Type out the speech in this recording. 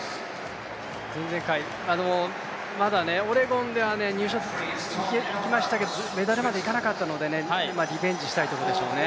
前々回、オレゴンでは入賞できましたけれども、メダルまではいかなかったので、今、リベンジしたいところでしょうね。